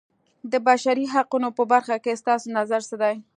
د بشري حقونو په برخه کې ستاسو نظر څه دی.